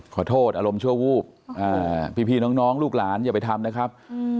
อารมณ์ชั่ววูบพี่น้องลูกหลานอย่าไปทำนะครับ